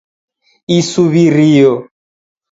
Isuwirio